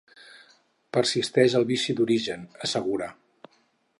“Persisteix el vici d’origen”, assegura.